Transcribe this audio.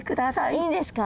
いいんですか？